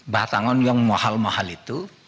batangan yang mahal mahal itu